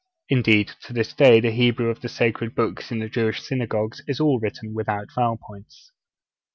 Indeed, to this day the Hebrew of the sacred Books in the Jewish Synagogues is all written without vowel points.